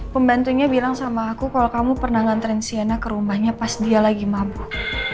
pembantunya bilang sama aku kalau kamu pernah ngantren siana ke rumahnya pas dia lagi mabuk